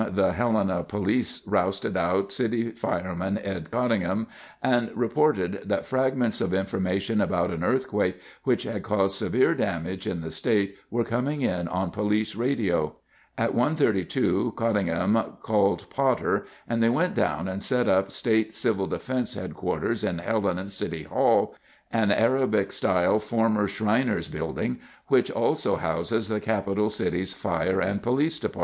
the Helena Police rousted out city fireman Ed Cottingham and reported that fragments of information about an earthquake which had caused severe damage in the state were coming in on police radio. At 1:32 Cottingham called Potter, and they went down and set up state Civil Defense HQ in Helena's City Hall, an Arabic style former Shriners' building which also houses the capital city's fire and police department.